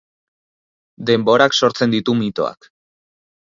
Denborak sortzen ditu mitoak.